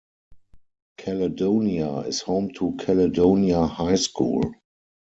Caledonia is home to Caledonia High School.